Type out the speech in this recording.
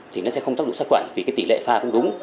thì nó sẽ không tác dụng sát khuẩn vì tỷ lệ pha không đúng